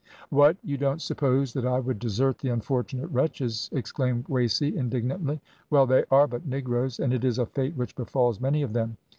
"What! you don't suppose that I would desert the unfortunate wretches?" exclaimed Wasey indignantly. "`Well, they are but negroes, and it is a fate which befalls many of them.